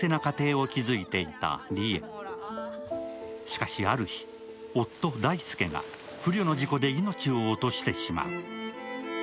しかし、ある日、夫・大祐が不慮の事故で命を落としてしまう。